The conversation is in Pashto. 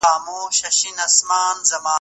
څه ډول سفرونه موږ ته د ژوند نوې مانا راښيي؟